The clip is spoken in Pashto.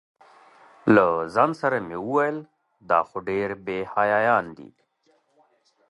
له ځان سره مې ویل دا خو ډېر بې حیایان دي.